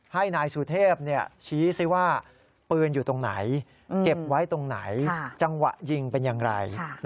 ให้นายสุเทพชี้สิว่าปืนอยู่ตรงไหนเก็บไว้ตรงไหนจังหวะยิงเป็นอย่างไร